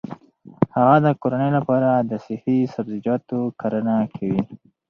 هغه د کورنۍ لپاره د صحي سبزیجاتو کرنه کوي.